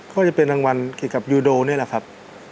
ก็จะเป็นรางวัลเกี่ยวกับยูโดนี่แหละครับ